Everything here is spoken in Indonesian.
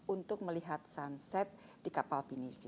untuk melihat sunset di kapal pinisi